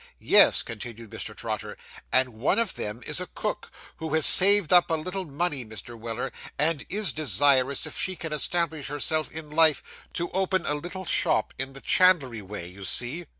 'Yes,' continued Mr. Trotter, 'and one of them is a cook, who has saved up a little money, Mr. Weller, and is desirous, if she can establish herself in life, to open a little shop in the chandlery way, you see.